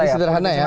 ini sederhana ya